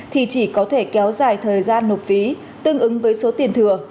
thì chỉ có thể kéo dài thời gian nộp phí tương ứng với số tiền thừa